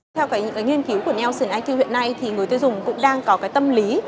theo những nghiên cứu của nelson iq hiện nay thì người tiêu dùng cũng đang có cái tâm lý